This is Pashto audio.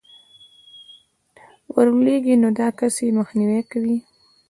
ورلوېږي، نو دا كس ئې مخنيوى كوي